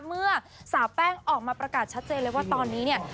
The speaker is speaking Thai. เมื่อสาวแป้งออกมาประกาศชัดเจนเลยว่าตอนนี้เนี่ย